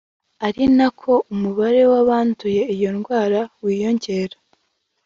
ari nako umubare w’abanduye iyo ndwara wiyongera